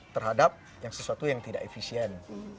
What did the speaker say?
terhadap sesuatu yang tidak efisien